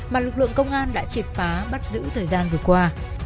mà lực lượng công an đã triệt phá bắt giữ thời gian vừa qua